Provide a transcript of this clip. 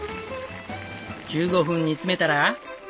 １５分煮詰めたら。